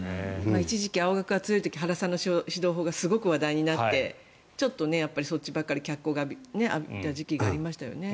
一時期、青学が強い時原さんの指導法がすごく話題になってちょっとそっちばかり脚光を浴びた時期がありましたよね。